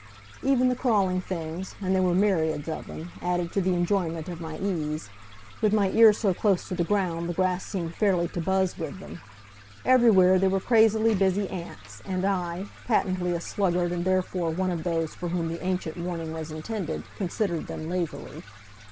Even the crawling things and there were myriads of them added to the enjoyment of my ease. With my ear so close to the ground the grass seemed fairly to buzz with them. Everywhere there were crazily busy ants, and I, patently a sluggard and therefore one of those for whom the ancient warning was intended, considered them lazily.